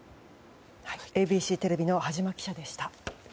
ＡＢＣテレビの羽島記者でした。